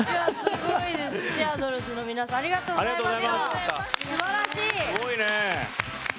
チアドルズの皆さんありがとうございました。